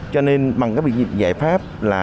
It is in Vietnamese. cho nên bằng các biện diện giải pháp là